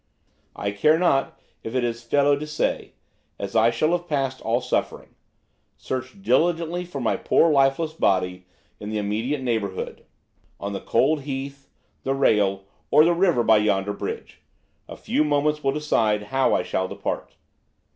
I care not if it is felo de se, as I shall have passed all suffering. Search diligently for my poor lifeless body in the immediate neighbourhood–on the cold heath, the rail, or the river by yonder bridge–a few moments will decide how I shall depart.